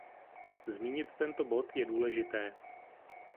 Zmínit tento bod je důležité.